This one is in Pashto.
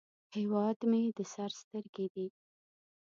هیواد مې د سر سترګې دي